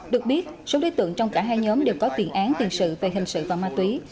được biết số đối tượng trong cả hai nhóm đều có tiền án tiền sự về hình sự và ma túy